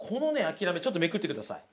諦めちょっとめくってください。